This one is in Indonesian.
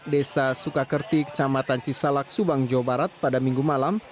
desa sukakerti kecamatan cisalak subang jawa barat pada minggu malam